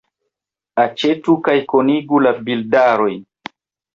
Aĉetu kaj konigu la bildarojn.